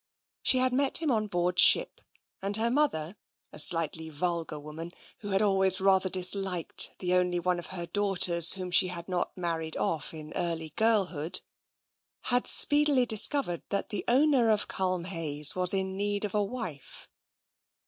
She had met him on board ship, and her mother, a sUghtly vulgar woman who had always rather disliked the only one of her daughters whom she had not married off in early girlhood, had speedily discovered that the owner of Culmhayes was in need of a wife.